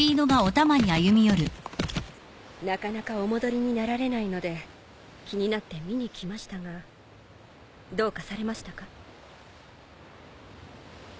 なかなかお戻りになられないので気になって見に来ましたがどうかされましたか？